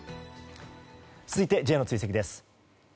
続いてＪの追跡です。